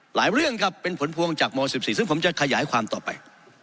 เรื่องครับเป็นผลพวงจากม๑๔ซึ่งผมจะขยายความต่อไป